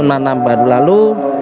menanam baru lalu